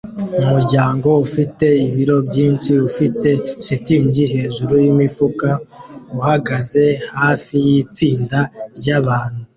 Umuryango ufite ibiro byinshi ufite shitingi hejuru yimifuka uhagaze hafi yitsinda ryabantu